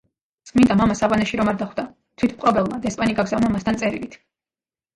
წმინდა მამა სავანეში რომ არ დახვდა, თვითმპყრობელმა დესპანი გაგზავნა მასთან წერილით.